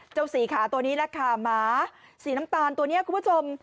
เจ้าสีขาตัวนี้แหละค่ะหมาสีน้ำตาลตัวนี้คุณผู้ชม